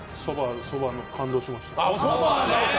そばに感動しました。